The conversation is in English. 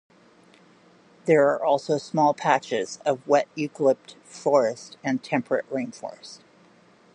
There are also small patches of wet eucalypt forest and temperate rainforest.